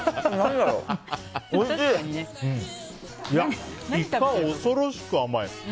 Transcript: イカ、恐ろしく甘い！